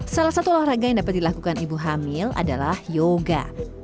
salah satu olahraga yang dapat dilakukan ibu hamil adalah yoga